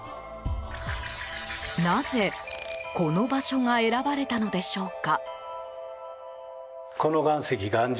なぜ、この場所が選ばれたのでしょうか？